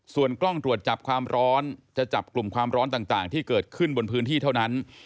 ส่วนกล้องตรวจจับความร้อนจะจับกลุ่มความร้อนต่างที่เกิดขึ้นบนพื้นที่เท่านั้น